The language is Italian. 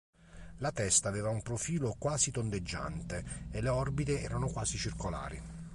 La testa aveva un profilo quasi tondeggiante, e le orbite erano quasi circolari.